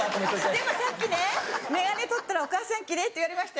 でもさっきね「眼鏡取ったらお母さん奇麗」って言われましたよ！